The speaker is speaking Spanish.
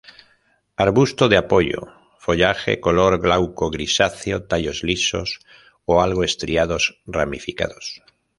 Arbusto de apoyo, follaje color glauco grisáceo, tallos lisos o algo estriados, ramificados.